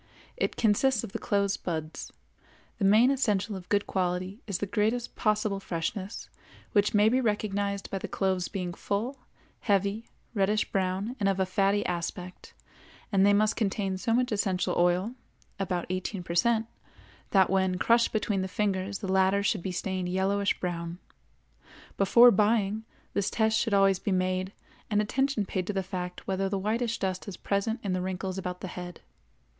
It consists of the closed buds. The main essential of good quality is the greatest possible freshness, which may be recognized by the cloves being full, heavy, reddish brown, and of a fatty aspect, and they must contain so much essential oil (about 18 per cent) that when crushed between the fingers the latter should be stained yellowish brown. Before buying, this test should always be made, and attention paid to the fact whether the whitish dust is present in the wrinkles about the head.